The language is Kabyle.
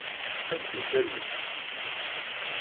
Qim di talwit!